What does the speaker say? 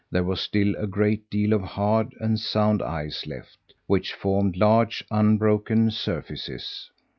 There was still a great deal of hard and sound ice left, which formed large, unbroken surfaces.